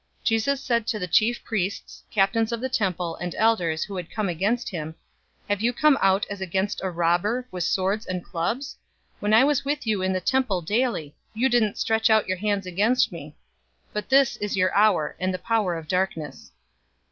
022:052 Jesus said to the chief priests, captains of the temple, and elders, who had come against him, "Have you come out as against a robber, with swords and clubs? 022:053 When I was with you in the temple daily, you didn't stretch out your hands against me. But this is your hour, and the power of darkness."